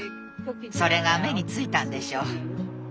それが目についたんでしょう。